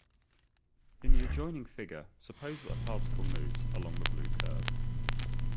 In the adjoining figure, suppose that a particle moves along the blue curve.